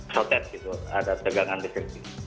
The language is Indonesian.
sotet gitu ada tegangan deskripsi